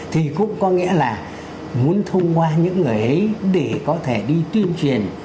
thì cũng có nghĩa là muốn thông qua những người ấy để có thể đi tuyên truyền